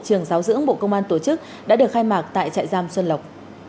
trường giáo dưỡng bộ công an tổ chức đã được khai mạc tại trại giam xuân lộc